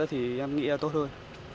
thì em nghĩ là tốt hơn